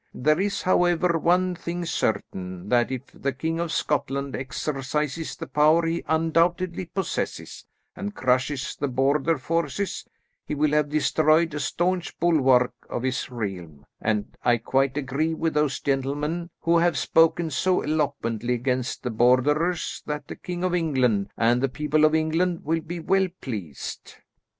There is, however, one thing certain, that if the King of Scotland exercises the power he undoubtedly possesses, and crushes the Border forces, he will have destroyed a staunch bulwark of his realm, and I quite agree with those gentlemen who have spoken so eloquently against the Borderers, that the King of England, and the people of England, will be well pleased."